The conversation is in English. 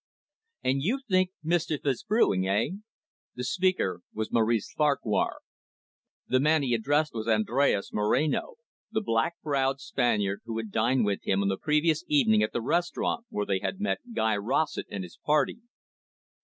"And you think mischief is brewing, eh?" The speaker was Maurice Farquhar. The man he addressed was Andres Moreno, the black browed Spaniard who had dined with him on the previous evening at the restaurant where they had met Guy Rossett and his party.